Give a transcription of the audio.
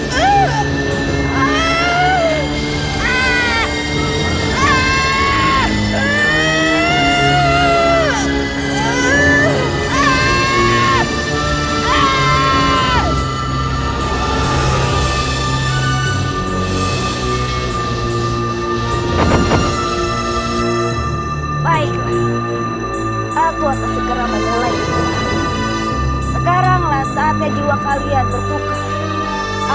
baiklah aku akan segera menelanikan sekaranglah saatnya jiwa kalian berduka